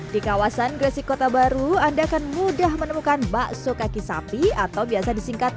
di kawasan gresik kota baru anda akan mudah menemukan bakso kaki sapi atau biasa disingkat